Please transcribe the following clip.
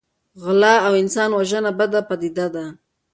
غلا او انسان وژنه بده پدیده ده.